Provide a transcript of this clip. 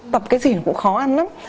tập cái gì cũng khó ăn lắm